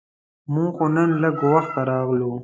مونږ خو نن لږ وخته راغلو.